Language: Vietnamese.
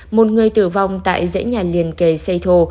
một người tử vong tại dãy nhà liền kề xây thô